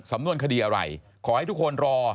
สำนวนคดีอะไรขอให้ทุกคนรอ